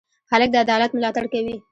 هلک د عدالت ملاتړ کوي.